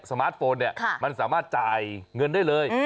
มาร์ทโฟนเนี่ยมันสามารถจ่ายเงินได้เลย